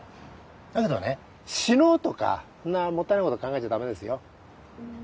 だけどね死のうとかそんなもったいないこと考えちゃ駄目ですよ。